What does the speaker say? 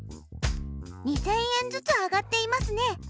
２０００円ずつ上がっていますね。